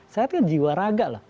sehat kan jiwa raga lah